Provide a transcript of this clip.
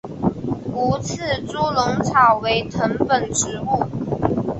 无刺猪笼草为藤本植物。